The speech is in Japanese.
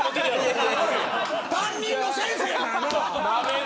担任の先生やからな。